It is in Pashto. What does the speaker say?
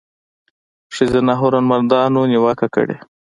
ښځینه هنرمندانو نیوکه کړې